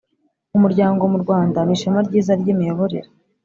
umuryango mu Rwanda nishema ryiza ryimiyoborere